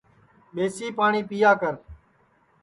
ٻیسی پاٹؔی پِیا کر